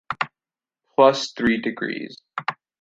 Plus three degrees.